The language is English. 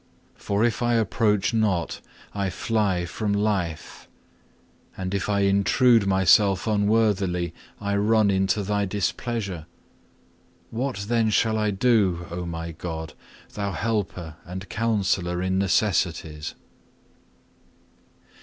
For if I approach not, I fly from life; and if I intrude myself unworthily, I run into Thy displeasure. What then shall I do, O my God, Thou helper and Counsellor in necessities.